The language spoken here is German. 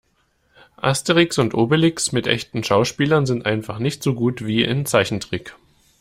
Asterix und Obelix mit echten Schauspielern sind einfach nicht so gut wie in Zeichentrick.